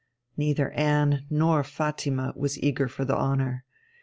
Neither Anne nor Fatima was eager for the honour.